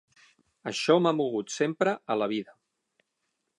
Això m'ha mogut sempre a la vida.